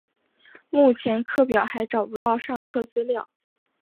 目前课表还找不到上课资料